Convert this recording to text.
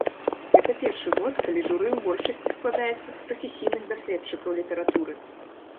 Гэта першы год, калі журы ў большасці складаецца з прафесійных даследчыкаў літаратуры.